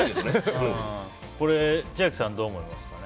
千秋さんはどう思いますか？